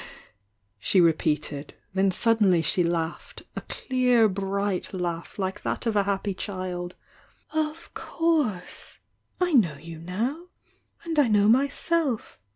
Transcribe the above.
she repeated, — then suddenly she laughed, — a clear bri^t laugh like that of a happy diild — "Of course! I know you now — and I know my self.